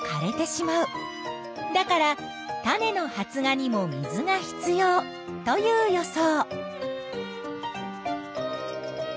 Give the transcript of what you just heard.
だから種の発芽にも水が必要という予想。